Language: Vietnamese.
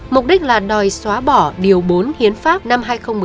mục đích là đòi xóa bỏ điều bốn hiến pháp năm hai nghìn một mươi ba